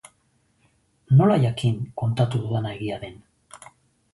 Nola jakin kontatu didana egia den?